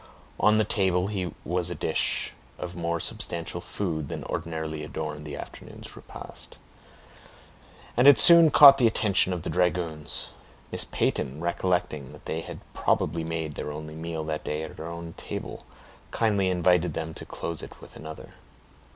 On the table was a dish of more substantial food than ordinarily adorned the afternoon's repast, and it soon caught the attention of the dragoons. Miss Peyton, recollecting that they had probably made their only meal that day at her own table, kindly invited them to close it with another.